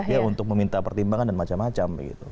ya untuk meminta pertimbangan dan macam macam